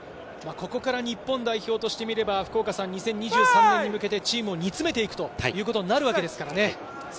ここから日本代表としてみれば、２０２３年に向けてチームを煮詰めていくということになるわけですからね。